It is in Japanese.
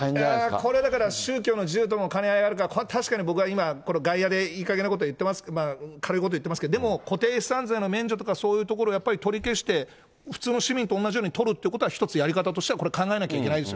これ、だから宗教の自由との兼ね合いがあるから僕は今、これ外野で、いいかげんなこと言ってます、軽いこと言ってますけど、でも、固定資産税の免除とかそういうところをやっぱり取りして、普通の市民と同じように取るということは、一つ、やり方としてはこれ考えなきゃいけないです。